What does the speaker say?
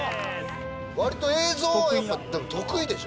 割と映像はやっぱ得意でしょ？